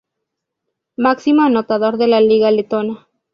Máximo anotador de la liga letona.